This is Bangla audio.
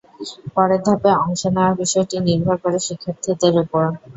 পরের ধাপে অংশ নেওয়ার বিষয়টি নির্ভর করে শিক্ষার্থীদের ওপর।